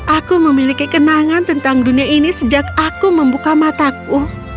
aku memiliki kenangan tentang dunia ini sejak aku membuka mataku